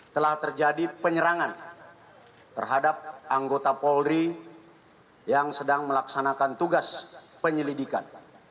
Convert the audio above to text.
telah terjadi penyerangan terhadap anggota polri yang sedang melaksanakan tugas penyelidikan